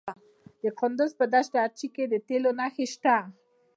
د کندز په دشت ارچي کې د تیلو نښې شته.